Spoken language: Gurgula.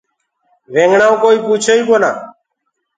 وآگنآ ڪوُ ڪوئيٚ پوڇي ئيٚ ڪونآ۔